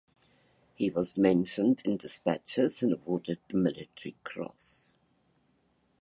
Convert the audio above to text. He was mentioned in despatches and awarded the Military Cross.